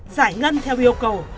giải ngân theo yêu cầu